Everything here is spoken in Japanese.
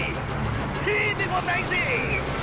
屁でもないぜ！